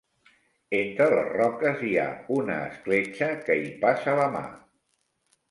Entre les roques hi ha una escletxa que hi passa la mà.